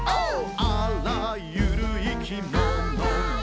「あらゆる生き物の」